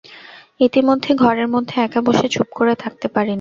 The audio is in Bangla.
ইতিমধ্যে ঘরের মধ্যে একা বসে চুপ করে থাকতে পারি নে।